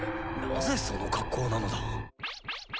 なぜその格好なのだ？